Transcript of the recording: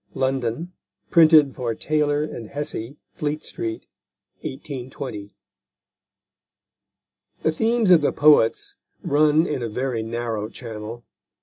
London: printed for Taylor & Hessey, Fleet Street_. 1820. The themes of the poets run in a very narrow channel.